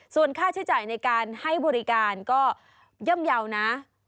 ส่วนค่าใช้จ่ายในการให้บริการก็ย่ำเยานะ